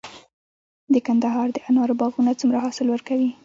د کندهار د انارو باغونه څومره حاصل ورکوي؟